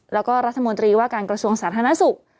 แล้วก็รัฐมนตรีว่าการกระชวงศาลธนาศุกร์